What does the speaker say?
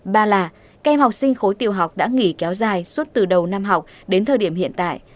ba là kem học sinh khối tiểu học đã nghỉ kéo dài suốt từ đầu năm học đến thời điểm hiện tại